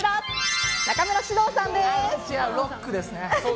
ロックですね。